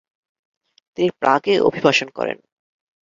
তিনি প্রাগে অভিবাসন করেন।